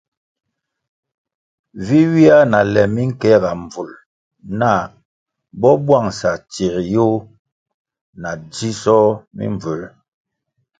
Vi ywia na le minkeega mbvul nah bo bwangʼsa tsie yoh na dzisoh mimbvū.